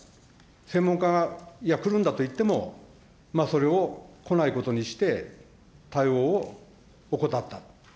専門家が、いや、来るんだと言っても、それを来ないことにして、対応を怠った。